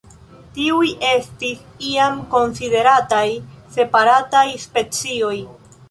Tiuj estis iam konsiderataj separataj specioj.